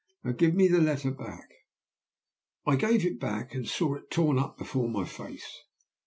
Now give me the letter back.' I gave it back, and saw it torn up before my face.